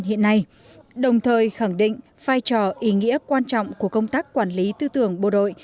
hiện nay đồng thời khẳng định vai trò ý nghĩa quan trọng của công tác quản lý tư tưởng bộ đội